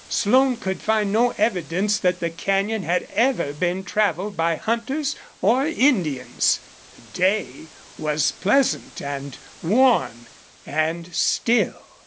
Slone could find no evidence that the canyon had ever been traveled by hunters or Indians. The day was pleasant and warm and still.